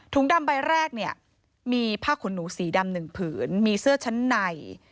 ดำใบแรกเนี่ยมีผ้าขนหนูสีดำหนึ่งผืนมีเสื้อชั้นใน